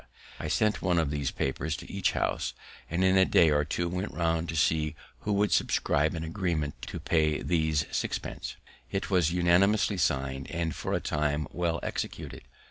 I sent one of these papers to each house, and in a day or two went round to see who would subscribe an agreement to pay these sixpences; it was unanimously sign'd, and for a time well executed.